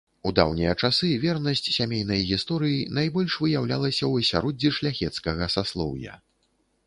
У даўнія часы вернасць сямейнай гісторыі найбольш выяўлялася ў асяроддзі шляхецкага саслоўя.